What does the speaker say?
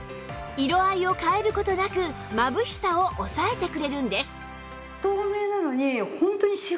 色合いを変える事なくまぶしさを抑えてくれるんです